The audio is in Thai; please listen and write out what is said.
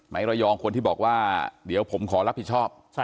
ระยองคนที่บอกว่าเดี๋ยวผมขอรับผิดชอบ